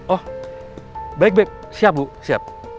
oh baik baik siap bu siap